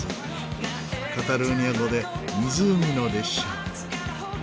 カタルーニャ語で「湖の列車」。